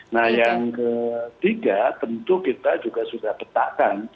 nah yang ketiga tentu kita juga sudah petakan